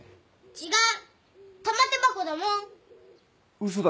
違う！